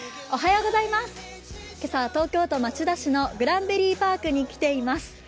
今朝は東京都町田市のグランベリーパークに来ています。